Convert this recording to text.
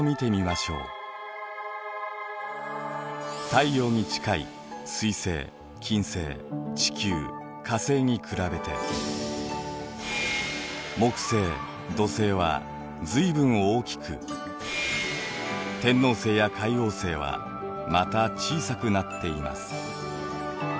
太陽に近い水星金星地球火星に比べて木星土星は随分大きく天王星や海王星はまた小さくなっています。